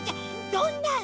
どんなの？